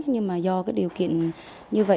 nhưng mà do điều kiện như vậy